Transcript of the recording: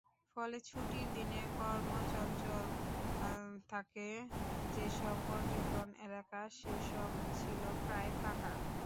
ফলে ছুটির দিনে কর্মচঞ্চল থাকে যেসব পর্যটন এলাকা সেসব ছিল প্রায় ফাঁকা।